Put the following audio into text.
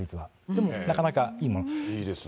でもなかなかいいもの。